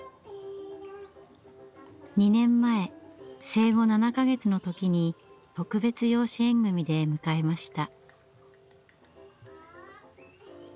２年前生後７か月の時に特別養子縁組で迎えました。